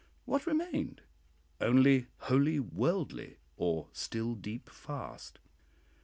What remained? Only "Wholly worldly," or "still deep fast."